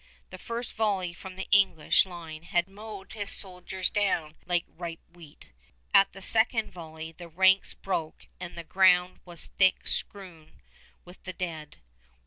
The first volley from the English line had mowed his soldiers down like ripe wheat. At the second volley the ranks broke and the ground was thick strewn with the dead.